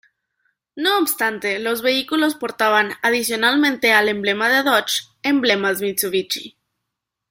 No obstante los vehículos portaban, adicionalmente al emblema de "Dodge", emblemas Mitsubishi.